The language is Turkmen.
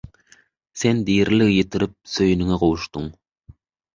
Sen diriligi ýitirip, söýeniňe gowuşdyň